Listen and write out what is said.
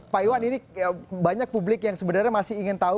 pak iwan ini banyak publik yang sebenarnya masih ingin tahu